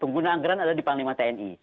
pengguna anggaran adalah di panglima tni